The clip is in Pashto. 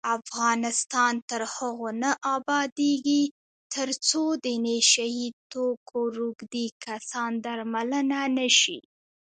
افغانستان تر هغو نه ابادیږي، ترڅو د نشه یي توکو روږدي کسان درملنه نشي.